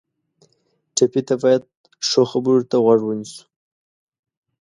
ټپي ته باید ښو خبرو ته غوږ ونیسو.